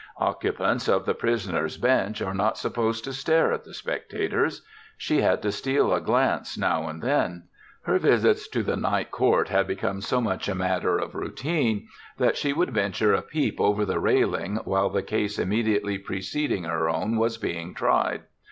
Occupants of the prisoners' bench are not supposed to stare at the spectators. She had to steal a glance now and then. Her visits to the Night Court had become so much a matter of routine that she would venture a peep over the railing while the case immediately preceding her own was being tried.